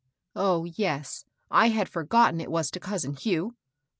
" Oh, yes ; I had forgotten it was to cousin Hugh.